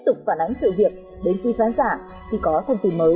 tục phản ánh sự việc đến khi phán giả khi có thông tin mới